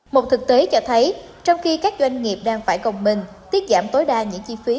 một thực tế cho thấy trong khi các doanh nghiệp đang phải gồng mình tiết giảm tối đa những chi phí